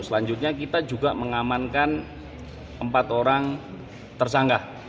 selanjutnya kita juga mengamankan empat orang tersangka